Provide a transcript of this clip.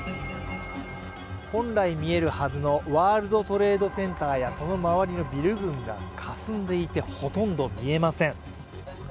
本来見えるはずのワールドトレードセンターやその周りのビル群がかすんでいてほとんど見えません。